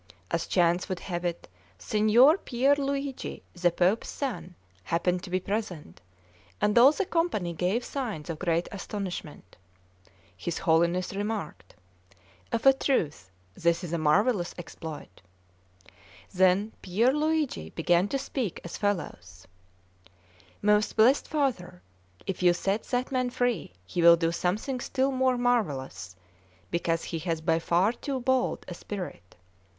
As chance would have it, Signor Pier Luigi, the Pope's son, happened to be present, and all the company gave signs of great astonishment. His Holiness remarked: "Of a truth this is a marvellous exploit." Then Pier Luigi began to speak as follows: "Most blessed Father, if you set that man free, he will do something still more marvellous, because he has by far too bold a spirit.